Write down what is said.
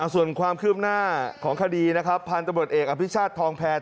ส่วนความคืบหน้าของคดีพันตำรวจเอกอภิชาธรรมแพทย์